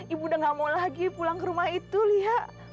ibu udah gak mau lagi pulang ke rumah itu lihat